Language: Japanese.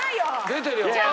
出てるよ。